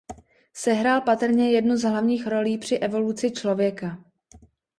Sehrál patrně jednu z hlavních rolí při evoluci člověka.